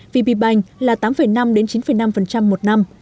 vb banh là tám năm đến chín năm một năm